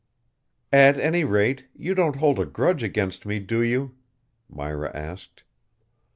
"At any rate, you don't hold a grudge against me, do you?" Myra asked.